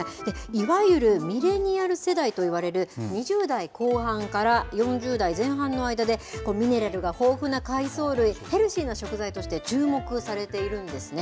いわゆるミレニアル世代といわれる２０代後半から４０代前半の間で、ミネラルが豊富な海藻類、ヘルシーな食材として注目されているんですね。